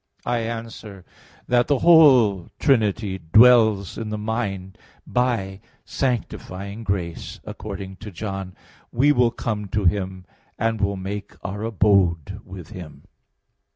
I answer that, The whole Trinity dwells in the mind by sanctifying grace, according to John 14:23: "We will come to him, and will make Our abode with him."